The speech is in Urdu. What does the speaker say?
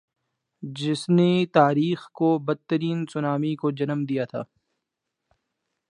جس نی تاریخ کی بدترین سونامی کو جنم دیا تھا۔